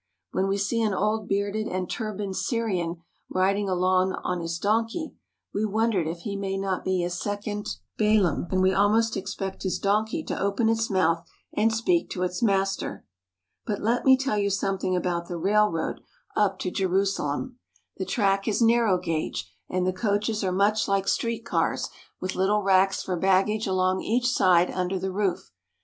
When we see an old bearded and turbaned Syrian riding along on his donkey, we won der if he may not be a second Balaam, and we almost expect his donkey to open its mouth and speak to its master. But let me tell you something about the railroad up to 25 THE HOLY LAND AND SYRIA Jerusalem. The track is narrow gauge, and the coaches are much like street cars, with little racks for baggage along each side under the roof.